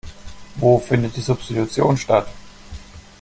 Wo findet die Substitution statt?